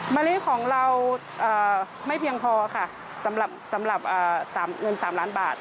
มะลิของเราไม่เพียงพอค่ะสำหรับเงิน๓ล้านบาท